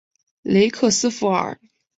雷克斯弗尔。